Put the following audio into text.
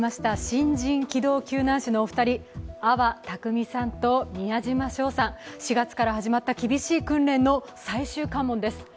新人機動救難士のお二人、安発匠さんと宮島祥さん、４月から始まった厳しい訓練の最終関門です。